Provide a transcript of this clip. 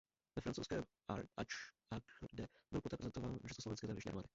Ve francouzském Agde byl poté prezentován do československé zahraniční armády.